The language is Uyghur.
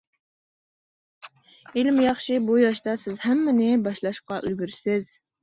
ھېلىمۇ ياخشى بۇ ياشتا سىز ھەممىنى باشلاشقا ئۈلگۈرىسىز.